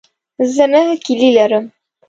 زه نهه کیلې لرم.